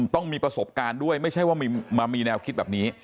ต้องมีประสบการณ์ด้วยไม่ใช่ว่ามามีแนวคิดแบบนี้